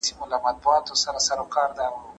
زه مخکي ليکلي پاڼي ترتيب کړي وو،